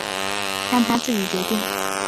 让他自己决定